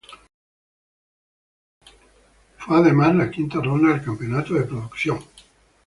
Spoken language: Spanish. Fue además la quinta ronda del campeonato de producción.